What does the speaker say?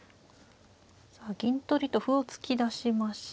銀取りと歩を突き出しまして。